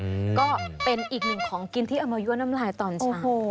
ก็เป็นอีกหนึ่งของกินที่เอามายั่วน้ำลายตอนเช้า